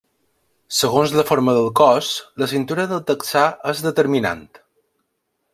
Segons la forma del cos, la cintura del texà és determinant.